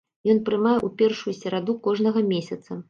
Ён прымае ў першую сераду кожнага месяца.